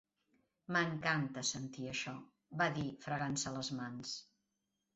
"M'encanta sentir això", va dir fregant-se les mans.